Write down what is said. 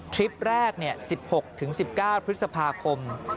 คลิปแรก๑๖๑๙พฤษภาคม